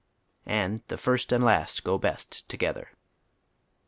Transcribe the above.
And the first and last go best togetiier.